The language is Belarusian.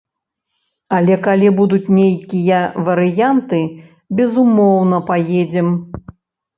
Але калі будуць нейкія варыянты, безумоўна, паедзем.